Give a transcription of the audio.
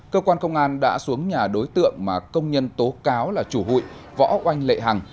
cơ quan công an đã xuống nhà đối tượng mà công nhân tố cáo là chủ hụi võ oanh lệ hằng